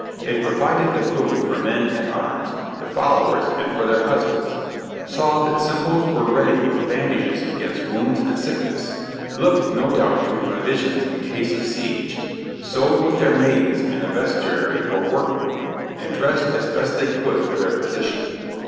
They provided the food for men at arms, the followers, and for their husbands; saw that simples were ready with bandages against wounds and sickness; looked, no doubt, to provisions in case of siege; sewed with their maidens in a vestiary or workroom, and dressed as best they could for their position.